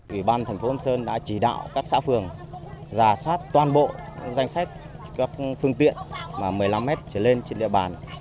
ủy ban thành phố sâm sơn đã chỉ đạo các xã phường giả sát toàn bộ danh sách các phương tiện một mươi năm m trở lên trên địa bàn